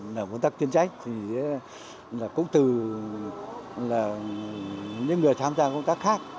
làm công tác tuyên trách cũng từ những người tham gia công tác khác